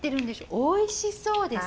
おいしそうです。